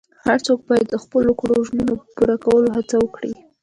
هر څوک باید د خپلو کړو ژمنو پوره کولو هڅه وکړي.